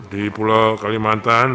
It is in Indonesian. di pulau kalimantan